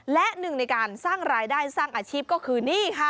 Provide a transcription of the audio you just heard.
และหนึ่งในการสร้างรายได้สร้างอาชีพก็คือนี่ค่ะ